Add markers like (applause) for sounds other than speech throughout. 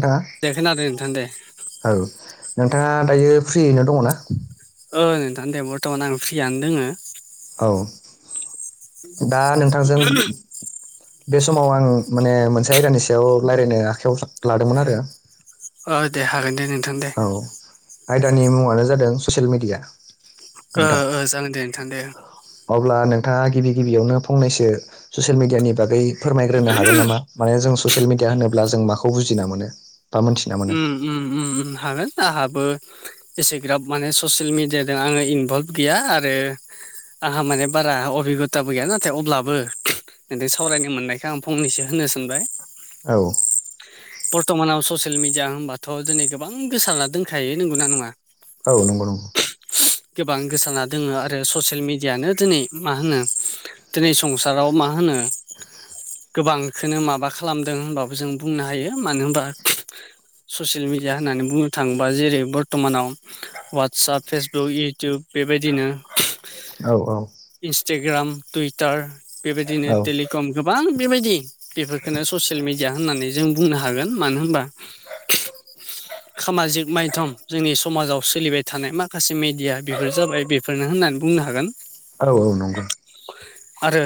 नोंथाङा दे खोनादों नों थां दे। औ नोंथाङा दायो फ्रियैनो दङ ना? ओ नोंथां दे बर्थमान आं फ्रियानो दङ। औ दा नोंथांजों बे समाव आं माने मोनसे आयदानि सायाव रायज्लायनो आखायाव लादोंमोन आरो। ओ दे हागोन दे नोंथां दे। औ आयदानि मुङानो जादों ससियेल मिडिया। ओ नोंथां जागोन दे नोंथां दे। अब्ला नोंथाङा गिबि गिबियावनो फंनैसो ससियेल मिडियानि बागै फोरमायग्रोनो हागोन नामा? माने जों ससियेल मिडिया होनोब्ला जों माखौ बुजिना मोनो बा मोन्थिना मोनो। ओम हागोन आंहाबो एसेग्राब माने ससियेल मिडियाजों आङो इनभल्भ गैया आरो आंहा माने बारा अबिगथाबो गैया नाथाय अब्लाबो नोंजों सावरायनो मोननायखाय आं फंनैसो होन्नो सानबाय। औ बर्थ'मानाव ससियेल मिडिया होनबाथ' दिनै गोबां गोसारना दोनखायो नंगौना नङा औ नंगौ नंगौ गोबां गोसाना दङ आरो ससियेल मिडियानो दिनै मा होनो दिनै संसाराव मा होनो गोबांखौनो माबा खालामदों होनबाबो जों बुंनो हायो मानो होनबा ससियेल मिडिया होननानै बुंनो थाङोबा जेरै बर्त मानाव ववाटसप फेसबुक इउटुब बेबायदिनो औ औ इन्स्टाग्राम टुइटार बेबायदिनो औ टेलिकम गोबां बेबायदि बेफोरखोनो ससियेल मिडिया होननानै जों बुंनो हागोन मानो होनबा सामाजिक माइधम जोंनि समाजाव सोलिबाय थानाय माखासे मेडिया बेफोर जाबाय बेफोरनो होननानै बुंनो हागोन। औ औ नंगौ आरो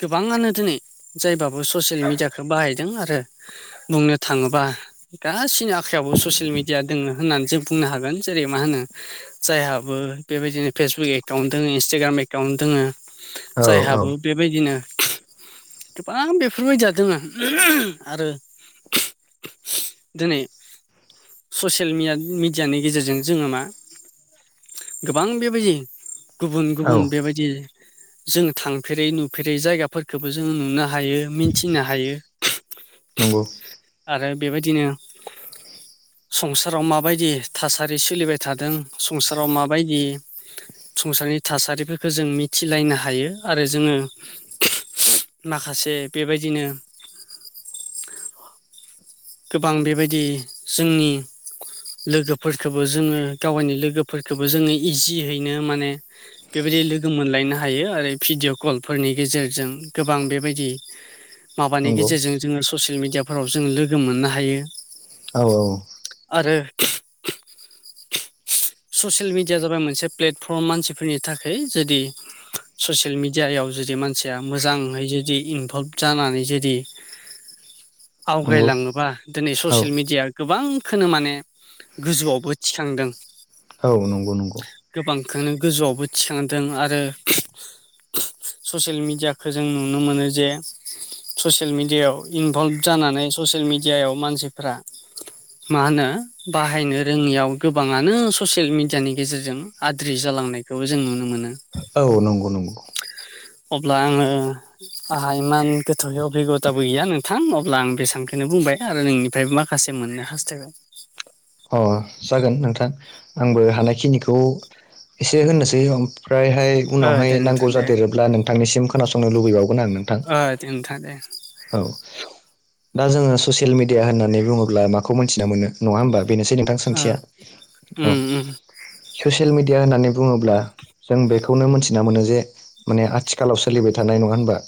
गोबाङानो दिनै जायबाबो ससियेल मिडिया बाहायदों आरो बुंनो थाङोबा गासिनि आखायावबो ससियेल मिडिया दङो होननानै जों बुंनो हागोन जेरै मा होनो जायहाबो बेबायदिनो फेसबुक एकाउन्ट दङ इन्सटाग्राम एकाउन्ट दङो औ जायहाबो बेबायदिनो गोबां बेफोरबायदिया दोङो आरो दिनै ससियेल मिया-मिडियानि गेजेरजों जोङो मा गोबां बेबायदि गुबुन गुबुन बेबायदि जों थांफेरै नुफेरै जायगाफोरखोबो जोङो नुनो हायो मिथिनो हायो। नंगौ आरो बेबायदिनो संसाराव माबायदि थासारि सोलिबाय थादों संसाराव माबायदि संसारनि थासारिफोरखौ जों मिथिलायनो हायो आरो जोङो माखासे बेबायदिनो गोबां बेबायदि जोंनि लोगोफोरखौबो जोङो गावयनि लोगोफोरखौबो जोङो इजियैनो माने बेबायदि लोगो मोनलायनो हायो आरो भिडिअ' कलफोरनि गेजेरजों गोबां बेबायदि माबानि नंगौ गेजेरजों जोङो ससियेल मिडियाफोराव जोङो लोगो मोननो हायो औ औ आरो ससियेल मिडिया जाबाय मोनसे प्लेटफर्म मानसिफोरनि थाखाय जुदि ससियेल मिडियायाव जुदि मानसिया मोजाङै जुदि इनभल्भ जानानै जुदि नंगौ लाङोबा दिनै औ ससियेल मिडिया गोबांखौनो माने गोजौआवबो थिखांदों औ नंगौ नंगौ गोबांखोनो गोजौआवबो थिखांदों आरो ससियेल मिडियाखौ जों नुनो मोनो जे ससियेल मिडियायाव इनभल्भ जानानै ससियेल मिडियायाव मानसिफ्रा मा होनो बाहायनो रोङियाव गोबाङानो ससियेल मिडियानि गेजेरजों आद्रि जालांनायखौबो जों नुनो मोनो औ नंगौ-नंगौ अब्ला आङो आहा इमान गोथौयै जइगथाबो गैया नोंथां अब्ला आं बेसेबां खौनो बुंबाय आरो नोंनिफ्राय माखासे मोननो हास्थायबाय। अह जागोन नोंथां आंबो हानायखिनिखौ एसे होननोसै ओमफ्रायहाय ओ उनावहाय दे नांगौ नोंथां दे जादेरोब्ला नोंथांनिसिम खोनासंनो लुबैबावगोन आं नोंथां। ओ दे नोंथां दे औ दा जोङो ससियेल मिडिया होननानै बुङोब्ला माखौ मिथिना मोनो नङा होमबा बेनोसै नोंथां ओ सोंथिया उम औ उम उम ससियेल मिडिया होननानै बुङोब्ला जों बेखौनो मोनथिना मोनो जे माने आथिखालाव सोलिबाय थानाय नङा होनबा।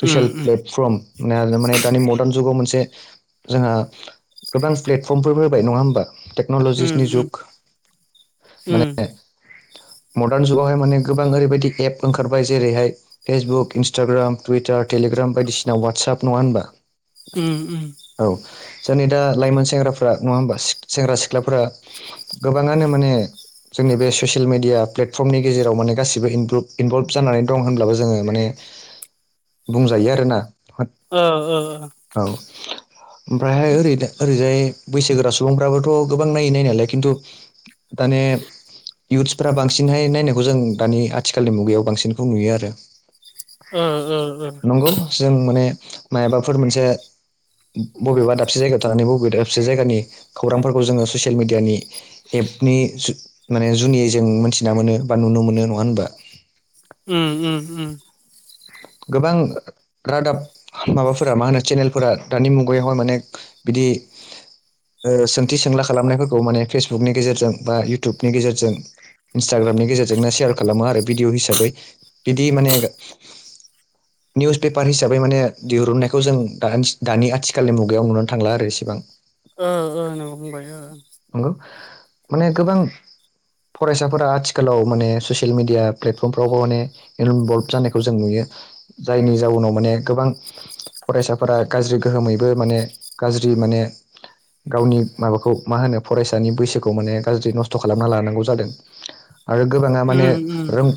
ससियेल प्लेटफर्म माने दानि मदार्न जुगाव मोनसे जोंहा गोबां प्लेटफर्मफोर होबाय नङा होमबा। बा टेक्नल'जिसनि उम जुग उम उम माने मडार्न जुगावहाय माने गोबां ओरैबायदि एप ओंखारबाय जेरैहाय फेसबुक इन्स्टाग्राम टुइटार टेलिग्राम बायदिसिना वाटसएप नङा होनबा। ओम ओम। औ जोंनि दा लाइमोन सेंग्राफ्रा नङा होमबा सेंग्रा सिख्लाफोरा गोबाङानो माने जोंनि बे ससियेल मिडिया प्लेटफर्मनि गेजेराव माने गासिबो इन इनभल्भ जानानै दं होनब्लाबो जोङो माने (inaudible) बुंजायो आरोना। ओ ओ ओ औ ओमफ्रायहाय ओरै ओरैजाय बैसोगोरा सुबुंफ्राबो थ' गोबां नायो नायनायालाय खिन्थु माने युथ्सफोरा बांसिनहाय नायनायखौ जों दानि आथिखालनि मुगायाव बांसिनखौ नुयो आरो। ओ ओ ओ नंगौ जों माने मायबाफोर मोनसे बबेबा दाबसे जायगायाव थानानै बबेबा दाबसे जायगानि खौरांफोरखौ जोङो ससियेल मिडियानि एपनि माने जुनियै जों मोनथिना मोनो बा नुनो मोनो नङा होनबा? उम उम उम। गोबां रादाब माबाफोरा मा होनो चेनेलफोरा दानि मुगायावहाय माने बिदि ओ सोंथि सोंला खालामनायफोरखौ माने फेसबुकनि गेजेरजों बा इउटुबनि गेजेरजों इन्स्टाग्रामनि गेजेरजोंनो सेयार खालामो आरो भिडिअ' हिसाबै बिदि माने निउस पेपार हिसाबै माने दिरुननायखौ जों दानि आथिखालनि मुगायाव नुनानै थांला आरो इसेबां। ओ ओ नंगौ फंबाय ओ। नंगौ माने गोबां। फरायसाफोरा आथिखालाव माने ससियेल मिडिया प्लेटफर्मफ्रावबो माने इनभल्भ जानायखौ जों नुयो जायनि जाउनाव माने गोबां फरायसाफोरा गाज्रि गोहोमैबो माने गाज्रि माने गावनि माबाखौ मा होनो फरायसानि बैसोखौ माने गाज्रि नस्थ' खालामना लानांगौ जादों। आरो गोबाङा माने उम उम रों-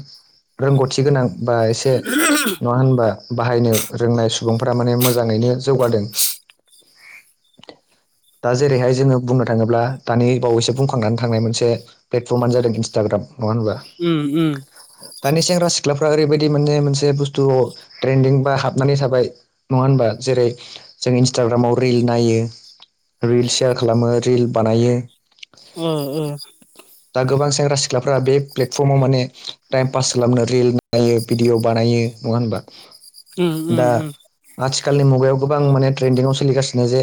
रोंगौथि गोनां बा एसे नङा होनबा बाहायनो रोंनाय सुबुंफोरा माने मोजाङैनो जौगादों। दा जेरैहाय जोङो बुंनो थाङोब्ला दानि बावैसो बुंखांनानै थांनाय मोनसे प्लेटफर्मआनो जादों इन्स्टाग्राम नङा होनबा? उम उम। दानि सेंग्रा सिख्लाफ्रा ओरैबायदि माने मोनसे बुस्थु ट्रेन्दिं बा हाबनानै थाबाय नङा होनबा जेरै जों इन्सटाग्रामाव रिल नायो रिल शेयार खालामो। रिल बानायो। ओ ओ दा गोबां सेंग्रा सिख्लाफ्रा बे प्लेटफर्माव माने टाइम पास खालामनो रिल बानायो भिडिअ बानायो। नङा होनबा? उम दा उम आथिखालनि मुगायाव गोबां माने ट्रेन्दिंआव सोलिगासिनो जे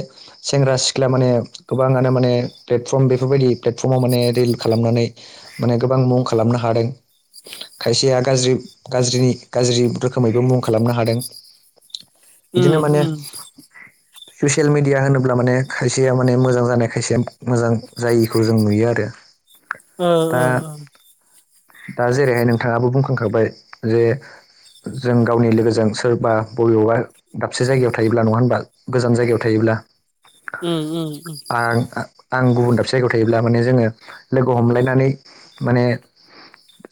सेंग्रा सिख्लाया माने गोबाङानो माने प्लेटफर्म बेफोरबायदि प्लेटफर्माव माने रिल खालामनानै माने गोबां मुं खालामनो हादों खायसेया गाज्रि गाज्रिनि गाज्रि रोखोमैबो मुं खालामनो हादों। उम बिदिनो माने (inaudible) ससियेल मिडिया होनोब्ला माने खायसेया माने मोजां जानाय खायसेया मोजां जायिखौ जों नुयो आरो। दा-दा जेरैहाय नोंथाङाबो बुंखांखाबाय जे जों गावनि लोगोजों सोरबा बबेबा दाबसे जायगायाव थायोब्ला नङा होनबा गोजान जायगायाव थायोब्ला उम आं आं गुबुन दाबसे जायगायाव थायोब्ला माने जोङो लोगो हमलायनानै माने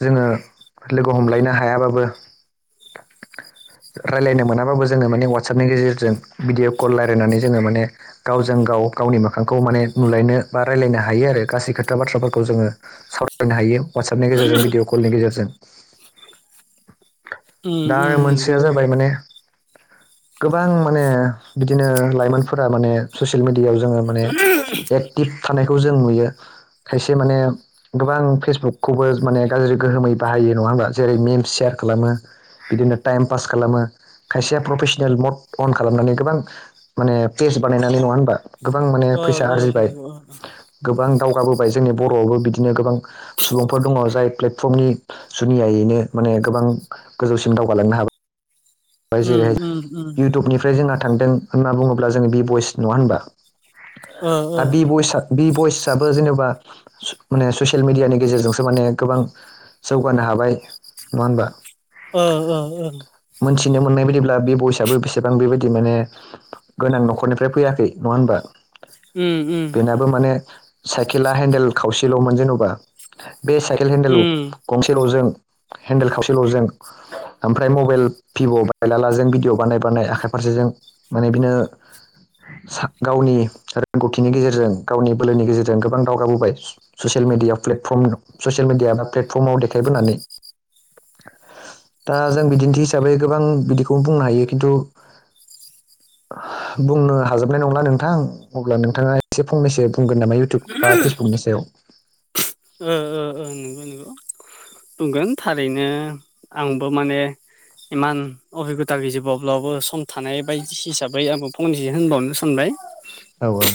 जोङो लोगो हमलायनो हायाबाबो (inaudible) रायलायनो मोनाबाबो जोङो माने वाटसएपनि गेजेरजों भिडिअ कल रायज्लायनानै जोङो माने गावजों गाव गावनि मोखांखौ माने नुलायनो बा रायलायनो हायो आरो गासै खोथा बाथ्राफोरखौ जों सावरायनो हायो वाट्सएपनि गेजेरजों भिडिअ कलनि गेजेरजों दा मोनसेया नंगौ जाबाय माने गोबां माने बिदिनो लाइमोनफोरा माने ससियेल मिडियायाव जोङो माने एक थेब थानायखौ जों नुयो खायसे माने गोबां फेसबुकखौबो माने गाज्रि गोहोमै बाहायो नङा होमब्ला जेरै मेमस सेयार खालामो बिदिनो टाइम पास खालामो खायसेया प्रफेसनेल मद अन खालामनानै गोबां माने पेस बानायनानै नङा होनबा गोबां माने ओ फैसा ओ उम आरजिबाय गोबां दावगाबो जोंनि बर'आवआबो बिदिनो गोबां सुबुंफोर दङ जाय प्लेटफर्मनि जुनियायैनो माने गोबां गोजौसिम दावगालांनो हाबाय उम उम (unintelligible) (unintelligible) ओमफ्राय जोंहा थांदों होनना बुङोब्ला जोङो बि बइस नङा होनबा ओ ओ दा बि बइसआ बि भइसआबो जेनेबा ओ ससियेल मिडियानि गेजेरजोंसो माने गोबां जौगानो हाबाय नङा होनबा औ औ औ मोनथिनो मोननाय बायदिब्ला बि बयसआबो बेसेबां बेबायदि माने गोनां न'खरनिफ्राय फैयाखै नङा होनबा उम उम दाथ' माने साइकेला हेन्देल खावसेल'मोन जेनबा बे साइकेल हेन्देल गंसेल'जों हेन्देल खाबसेल'जों ओमफ्राय मबाइल बि'बायलाला जों भिडिअ बानाय बानाय आखाइ फारसेजों माने बिनो गावनि रोंगौथिनि गेजेरजों गावनि बोलोनि गेजेरजों गोबां दावगाबोबाय स ससियेल मिडिया फ्लेटफर्मआव ससियेल मिडियायानो प्लेटफर्माव देखायबोनानै (inaudible) दा जों बिदिन्थि हिसाबै गोबां बिदिखौ बुंनो हायो खिन्थु बुंनो हाजोबनाय नंला नोंथां अब्ला नोंथाङा एसे फंनैसो बुंगोन नामा इउटुब बा फेसबुकनि सायाव नंगौ नंगौ बुंगोन थारैनो आंबो माने इमान अबिगथा गैजोबावब्लाबो सम थानाय बायदि हिसाबै आंबो फंनैसो होनबावनो सानबाय औ औ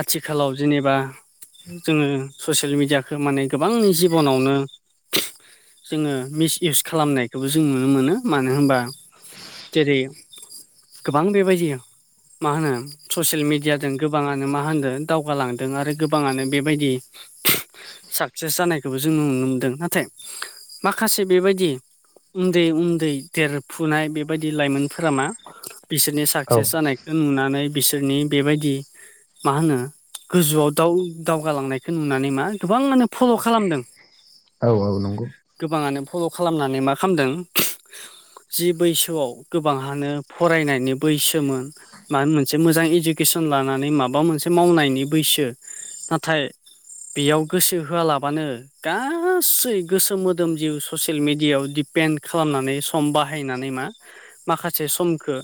आथिखालाव जेनेबा जोङो ससियेल मिडियाखौ माने गोबांनि जिबनावनो जोङो मिस इउस खालामनायखौबो जों नुनो मोनो मानो होनबा जेरै गोबां बेबायदि मा होनो ससियेल मिडियाजों गोबाङा नो मा होनदों दावगालांदों आरो गोबाङानो बेबायदि साक्सेस जानायखौबो जोङो नुनो मोनदों नाथाय माखासे बेबायदि उन्दै उन्दै देरफुनाय बेबायदि लाइमोनफोरा मा बिसोरनि औ साक्सेस जानायखौ नुनानै बिसोरनि बेबायदि मा होनो गोजौआव दाव दावगालांनायखौ नुनानै मा गोबांआनो फल' खालामदों औ औ नंगौ गोबाङानो फल खालामनानै मा खालामदों। जि बैसोआव गोबांहानो फरायनायनि। बैसोमोन मानो मोनसे मोजां इडुकेसन लानानै माबा बा मोनसे मावनायनि बैसो नाथाय बेयाव गोसो होआलाबानो। गासै गोसो मोदोम जिउ ससियेल मिडियायाव दिडपेन्ड खालामनानै सम बाहायनानै मा। माखासे समखो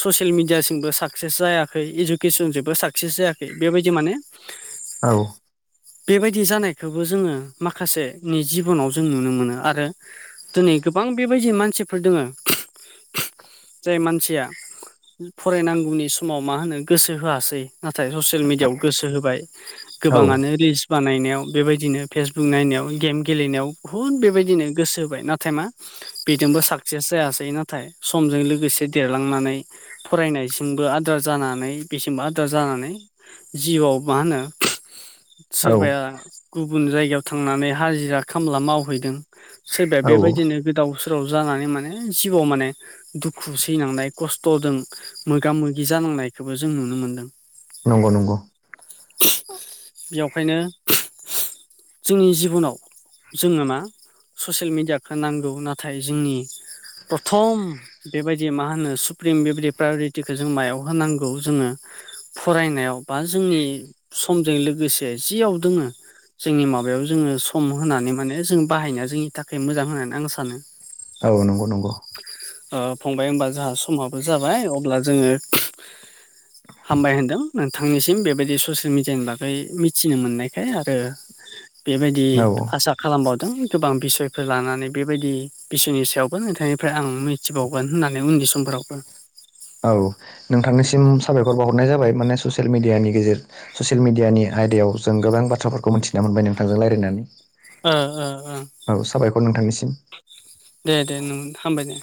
ससियेल मिडियासिमबो साक्सेस जायाखै इजु खेसन जोबो साक्सेस जायाखै बेबायदि माने। औ बेबायदि जानायखौबो जोङो माखासेनि जिबनाव जों नुनो मोनो आरो। दिनै गोबां बेबायदि मानसिफोर दोङो जाय मानसिया। फरायनांगौनि समाव मा होनो। गोसो होआसै नाथाय ससियेल मिडियाआव गोसो होबाय औ गोबाङानो रिल्स बानायनायनायाव बेबायदिनो फेसबुक नायनायाव गेम गेलेनायाव बुहुद बेबायदिनो गोसो होबाय नाथाय मा। बेजोंबो साक्सेस जायासै नाथाय समजों लोगोसे देरलांनानै। फरायनायसिमबो आद्रा जानानै। बेसेमबा आदार जानानै जिउआव मा होनो सोरबाया। औ गुबुन जायगायाव थांनानै हाजिरा खामला मावहैदों सोरबाया औ बेबायदिनो गोदाव। फोराव जानानै माने जिवआव माने दुखु सैनांनाय खस्थदों मोगा मोगि जानांनायखौबो जों नुनो मोन्दों। नंगौ नंगौ बेवखायनो जोंनि जिबनाव। जोङो मा ससियेल मेडियाखौ नांगौ नाथाय जोंनि। प्रथम बेबायदि मा होनो सुप्रिम बेबायदि प्रायरिटिखौ जों मायाव होनांगौ। खौ जोङो फरायनायाव बा जोंनि समजों लोगोसे जियाव दोङो। जोंनि माबायाव जोङो सम होनानै माने जों बाहायनाया जोंनि थाखाय मोजां होननानै आं सानो। औ नंगौ नंगौ ओ फंबाय होनबा जोंहा समाबो जाबाय अब्ला जोङो। हामबाय होनदों नोंथांनिसिम बेबायदि ससियेल मिडियानि बागै मिथिनो मोननाय हे आरो बेबायदि औ औ आसा खालामबावदों गोबां बिसयफोर लानानै बेबायदि। बिसोरनि सायावबो नोंथांनिफ्राय आं मिथिबावगोन होननानै उननि समफोरावबो। औ नोंथांनिसिम साबायखर बावाहरनाय जाबाय माने ससियेल मिडियानि गेजेर ससियेल मिडियानि आयदायाव जों गोबां बाथ्राफोरखौ मिथिनो मोनबाय नोंथांजों रायलायनानै। ओ ओ ओ नोंथांनिसिम दे दे नों हामबाय दे।